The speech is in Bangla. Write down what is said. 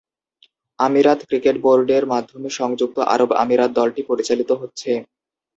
আমিরাত ক্রিকেট বোর্ডের মাধ্যমে সংযুক্ত আরব আমিরাত দলটি পরিচালিত হচ্ছে।